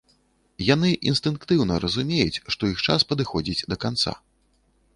Яны інстынктыўна разумеюць, што іх час падыходзіць да канца.